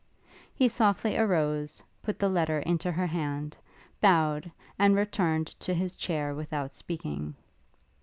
He softly arose, put the letter into her hand, bowed, and returned to his chair without speaking.